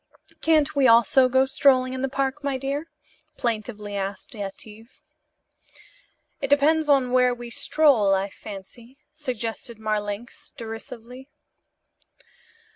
"Can't we also go strolling in the park, my dear?" plaintively asked Yetive. "It depends upon where we stroll, I fancy," suggested Marlanx derisively.